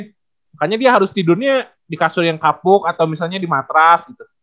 makanya dia harus tidurnya di kasur yang kapuk atau misalnya di matras gitu